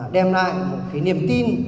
đem lại một cái niềm tin